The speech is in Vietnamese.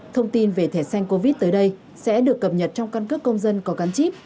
thông tin về thẻ xanh covid tới đây sẽ được cập nhật trong căn cước công dân có gắn chip